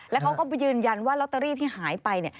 แล้วเขาก็ยืนยันว่าลอตเตอรี่ที่หายไป